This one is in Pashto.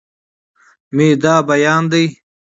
مې دا بيان دی